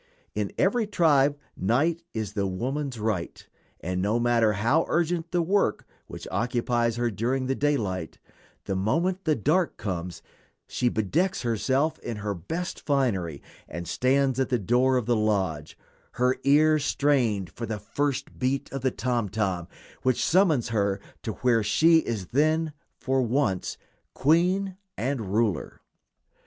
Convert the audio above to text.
In every tribe night is the woman's right, and no matter how urgent the work which occupies her during the daylight, the moment the dark comes she bedecks herself in her best finery and stands at the door of the lodge, her ear strained for the first beat of the tom tom which summons her to where she is then, for once, queen and ruler.